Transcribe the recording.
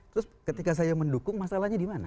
terus ketika saya mendukung masalahnya dimana